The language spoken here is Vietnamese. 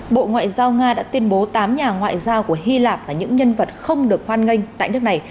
bộ ngoại giao nga đã tuyên bố tám nhà ngoại giao của hy lạp là những nhân vật không được hoan nghênh tại nước này